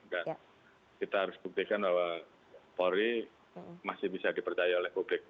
dan kita harus buktikan bahwa polri masih bisa dipercaya oleh publik